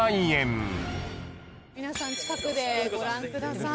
皆さん近くでご覧ください。